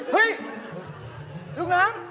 เฮ้ยลูกน้ำ